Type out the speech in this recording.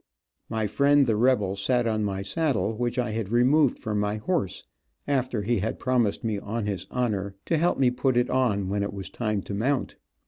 My friend, the rebel, sat on my saddle, which I had removed from my horse, after he had promised me on his honor to help me to put it on when it was time to mount.